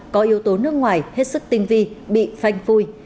có yếu tố nước ngoài hết sức tinh vi bị phanh phui